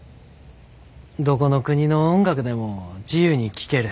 どこの国の音楽でも自由に聴ける。